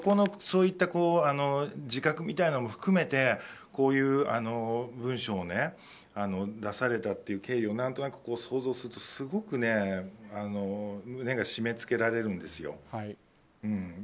そこの自覚みたいなのも含めてこういう文章を出されたという経緯を何となく想像すると、すごく胸が締め付けられるんですよ。